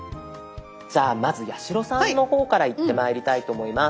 じゃあまず八代さんの方からいってまいりたいと思います。